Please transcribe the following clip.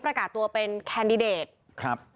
ประกาศตัวเป็นแคนดิเดตครับ